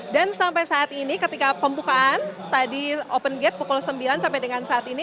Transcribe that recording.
dan sampai saat ini ketika pembukaan tadi open gate pukul sembilan sampai dengan saat ini